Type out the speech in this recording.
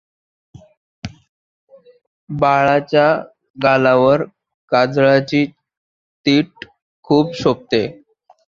बाळाच्या गालावर काजळाची तीट खूप शोभते.